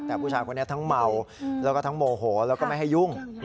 แต่ผู้ชายคนนี้ทั้งเมาแล้วก็ทั้งโมโหแล้วก็ไม่ให้ยุ่ง